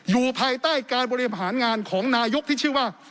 อยู่ภายใต้การบริหารงานของนายกที่ชื่อว่า